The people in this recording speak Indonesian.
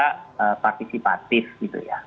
tidak partisipatif gitu ya